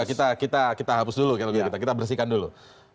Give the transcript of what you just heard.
coba kita hapus dulu kalau bisa kita bersihkan dulu